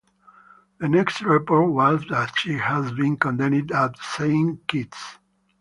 The next report was that she had been condemned at St Kitts.